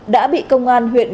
đã bị công an huyện